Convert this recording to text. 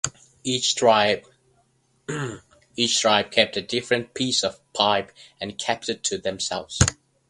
Each tribe kept a different piece of the pipe and kept to themselves.